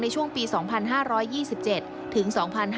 ช่วงปี๒๕๒๗ถึง๒๕๕๙